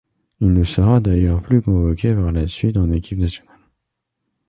Il ne sera d'ailleurs plus convoqué par la suite en équipe nationale.